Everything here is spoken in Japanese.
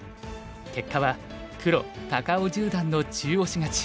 結果は黒高尾十段の中押し勝ち。